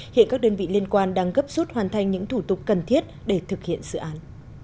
hiện các đơn vị liên quan đang gấp rút hoàn thành những thủ tục cần thiết để thực hiện dự án